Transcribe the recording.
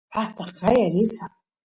paqta qaya risaq